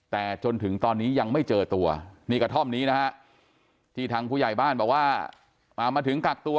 แต่จนถึงตอนนี้ยังไม่เจอตัวนี่กระท่อมนี้นะฮะที่ทางผู้ใหญ่บ้านบอกว่ามาถึงกักตัว